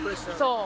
そう。